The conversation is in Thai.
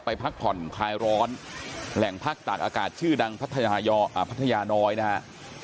พักผ่อนคลายร้อนแหล่งพักตากอากาศชื่อดังพัทยาน้อยนะฮะ